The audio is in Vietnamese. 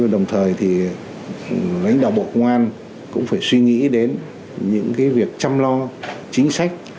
đồng thời thì lãnh đạo bộ công an cũng phải suy nghĩ đến những việc chăm lo chính sách